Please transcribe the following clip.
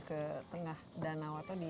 ke tengah danau atau di